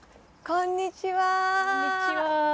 こんにちは。